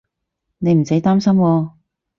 你唔使擔心喎